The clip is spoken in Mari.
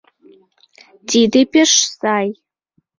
— Тиде пеш сай.